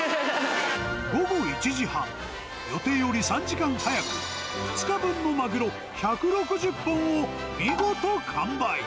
午後１時半、予定より３時間早く、２日分のマグロ１６０本を見事完売。